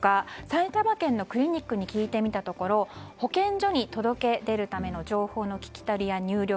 埼玉県のクリニックに聞いてみたところ保健所に届け出るための情報の聞き取りや入力